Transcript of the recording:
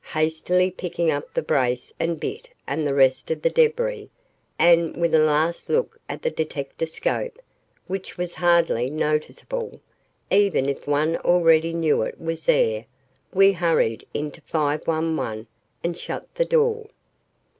Hastily picking up the brace and bit and the rest of the debris, and with a last look at the detectascope, which was hardly noticeable, even if one already knew it was there, we hurried into 511 and shut the door.